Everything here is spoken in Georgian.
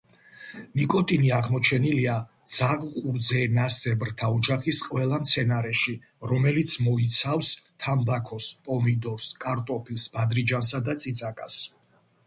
ნიკოტინი აღმოჩენილია ძაღლყურძენასებრთა ოჯახის ყველა მცენარეში, რომელიც მოიცავს თამბაქოს, პომიდორს, კარტოფილს, ბადრიჯანსა და წიწაკას